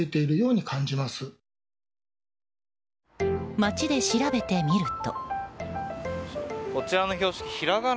街で調べてみると。